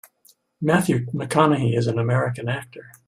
Matthew McConaughey is an American actor.